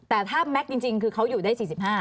แต่ถ้าแม็กซ์จริงคือเขาอยู่ได้๔๕